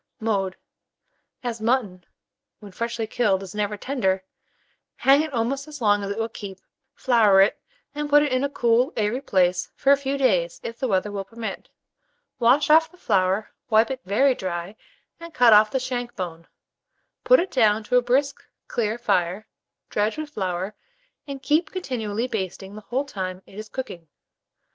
Mode. As mutton, when freshly killed, is never tender, hang it almost as long as it will keep; flour it, and put it in a cool airy place for a few days, if the weather will permit. Wash off the flour, wipe it very dry, and cut off the shank bone; put it down to a brisk clear fire, dredge with flour, and keep continually basting the whole time it is cooking.